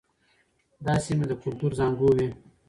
دا سیمې د کلتور زانګو وې.